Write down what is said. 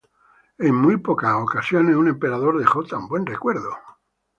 En muy pocas ocasiones un emperador dejó tan buen recuerdo.